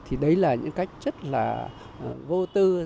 thì đấy là những cách rất là vô tư rất là vô tư rất là vô tư